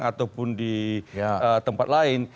ataupun di tempat lain